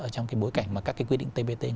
trong bối cảnh các quy định tptpp